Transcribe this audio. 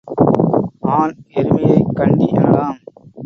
ஆண் எருமையைக் கண்டி எனலாம்.